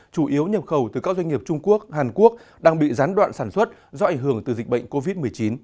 chủ yếu nhập khẩu từ các doanh nghiệp trung quốc hàn quốc đang bị gián đoạn sản xuất do ảnh hưởng từ dịch bệnh covid một mươi chín